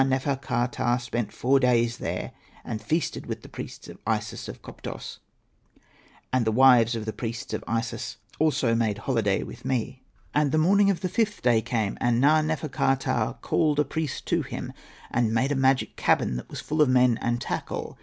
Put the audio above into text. nefer.ka.ptah spent four days there and feasted with the priests of Isis of Koptos, and the wives of the priests of Isis also made holiday with me. 8 Hosted by Google 98 SETNA AND THE MAGIC BOOK. ''And the morning of the fifth day came ; and Na.nefer.ka.ptah called a priest to him, and made a magic cabin that was full of men and tackle.